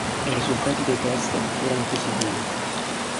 I risultati dei test furono positivi.